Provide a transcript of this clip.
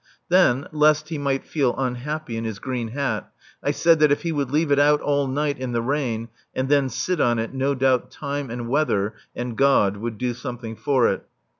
Then, lest he might feel unhappy in his green hat, I said that if he would leave it out all night in the rain and then sit on it no doubt time and weather and God would do something for it.